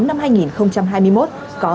có dấu hiệu giả bạo